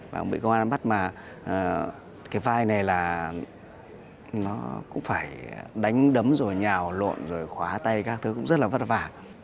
và bị công an bắt mà cái vai này là nó cũng phải đánh đấm rồi nhào lộn rồi khóa tay các thứ cũng rất là vất vả